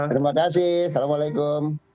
terima kasih assalamu'alaikum